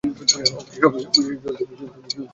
অবশেষে, জলদি নাস্তা শেষ কর।